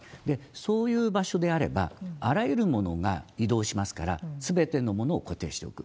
そういう場所であれば、あらゆる物が移動しますから、すべてのものを固定しておく。